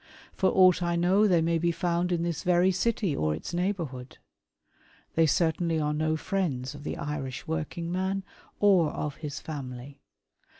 For aught I know they may be found in this very city or its neighbourhood. They certainly are no friends of the Irish working man or of his family.